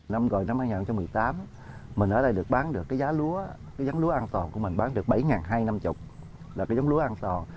năm gọi năm hai nghìn một mươi tám mình ở đây được bán được giá lúa giống lúa an toàn của mình bán được bảy hai trăm năm mươi là giống lúa an toàn